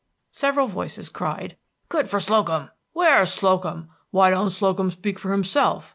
Several voices cried, "Good for Slocum!" "Where's Slocum?" "Why don't Slocum speak for himself?"